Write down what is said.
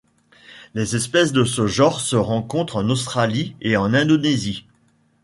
Les espèces de ce genre se rencontrent en Australie et en Indonésie.